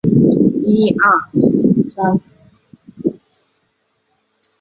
快雪时晴佳想安善未果为结力不次。